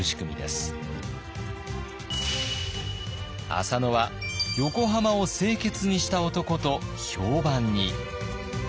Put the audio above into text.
浅野は「横浜を清潔にした男」と評判に。